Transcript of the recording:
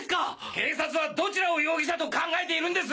警察はどちらを容疑者と考えているんです？